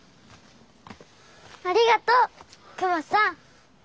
ありがとう熊さん。